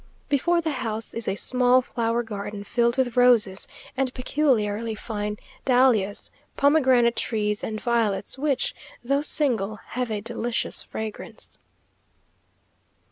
Before the house is a small flower garden filled with roses and peculiarly fine dahlias, pomegranate trees and violets, which, though single, have a delicious fragrance.